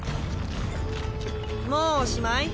もうおしまい？